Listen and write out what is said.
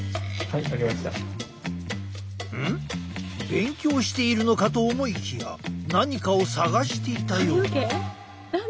勉強しているのかと思いきや何かを探していたようだ。